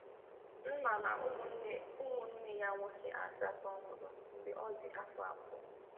Nna na umunne ya nwoke asatọ nwụrụ mgbe ọ dị afọ abụọ.